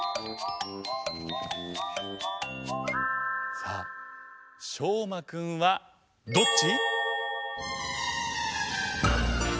さあしょうまくんはどっち？